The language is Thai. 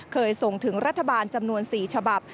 ส่งถึงรัฐบาลจำนวน๔ฉบับ